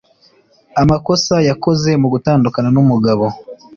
amakosa yakoze mu gutandukana n'umugabo